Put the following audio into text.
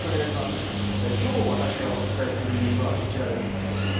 今日、私がお伝えするニュースはこちらです。